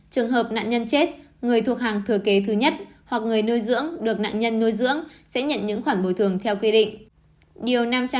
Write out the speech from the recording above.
trường hợp nạn nhân chết người thuộc hàng thừa kế thứ nhất hoặc người nuôi dưỡng được nạn nhân nuôi dưỡng sẽ nhận những khoản bồi thường theo quy định